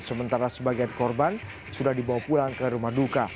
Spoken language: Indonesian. sementara sebagian korban sudah dibawa pulang ke rumah duka